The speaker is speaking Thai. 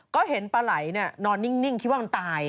ก็เห็นปลาไหลนอนนิ่งคิดว่ามันตาย